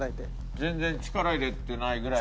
全然力入れてないぐらいの。